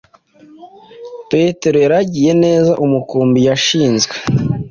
petero yaragiye neza umukumbi yashinzwe